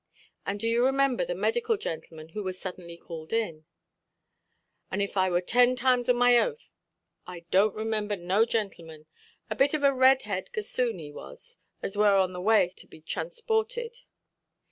"And do you remember the medical gentleman who was suddenly called in"? "And if I wur ten times on my oath, I donʼt remimber no gintleman. A bit of a red–haired gossoon there was, as wor on the way to be transported".